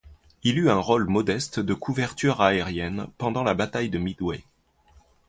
Il eut un rôle modeste de couverture aérienne pendant la bataille de Midway.